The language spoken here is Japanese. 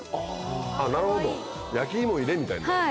あっなるほど焼き芋入れみたいになるんだ。